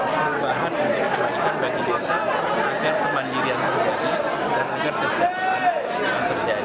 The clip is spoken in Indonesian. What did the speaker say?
perubahan guna kebaikan bagi desa agar kemandirian terjadi dan agar kesejahteraan tidak terjadi